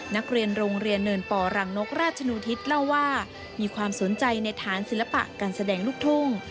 นักเรียนโรงเรียนเนินป่อรังนกราชนูทิศเล่าว่ามีความสนใจในฐานศิลปะการแสดงลูกทุ่ง